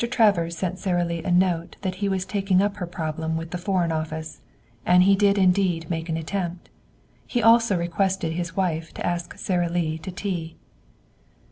Travers sent Sara Lee a note that he was taking up her problem with the Foreign Office; and he did indeed make an attempt. He also requested his wife to ask Sara Lee to tea.